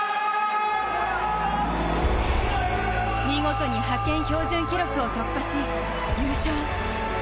見事に派遣標準記録を突破し、優勝。